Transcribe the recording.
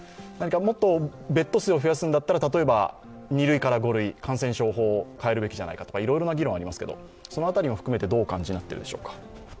もっとベッド数を増やすんだったら例えば２類から５類に感染症法を変えるべきじゃないかとか、いろいろな議論がありますが、その辺りも含めてどうお感じになっていますか？